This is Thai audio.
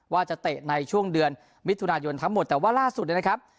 เตะในช่วงเดือนมิถุนายนทั้งหมดแต่ว่าล่าสุดเนี่ยนะครับ